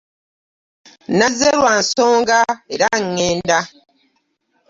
Nazze lwa nsonga era ŋŋenda.